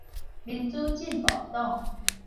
民主進步黨